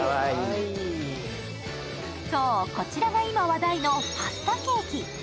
こちらが今、話題のパスタケーキ